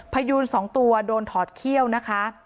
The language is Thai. พยูน๒ตัวโดนถอดเขี้ยวนะคะ